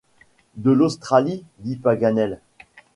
De l’Australie ? dit Paganel.